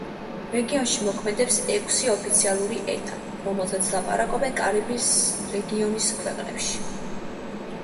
რეგიონში მოქმედებს ექვსი ოფიციალური ენა, რომელზეც ლაპარაკობენ კარიბის რეგიონის ქვეყნებში.